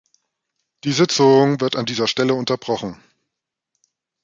Die Sitzung wird an dieser Stelle unterbrochen.